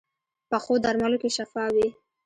پخو درملو کې شفا وي